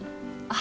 あ。